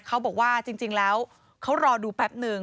เขาบอกว่าจริงแล้วเขารอดูแป๊บนึง